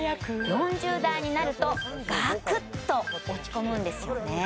４０代になるとガクッと落ち込むんですよね